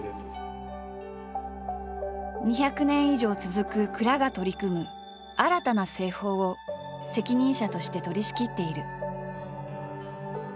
２００年以上続く蔵が取り組む新たな製法を責任者として取りしきっている。